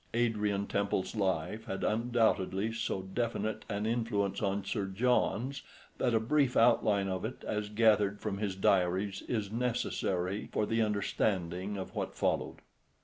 Adrian Temple's life had undoubtedly so definite an influence on Sir John's that a brief outline of it, as gathered from his diaries, is necessary for the understanding of what followed.